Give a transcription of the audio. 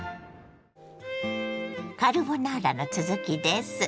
カルボナーラの続きです。